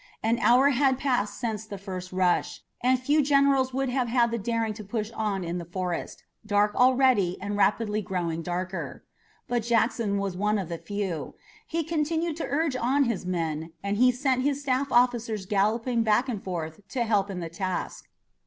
An hour had passed since the first rush, and few generals would have had the daring to push on in the forest, dark already and rapidly growing darker. But Jackson was one of the few. He continued to urge on his men, and he sent his staff officers galloping back and forth to help in the task.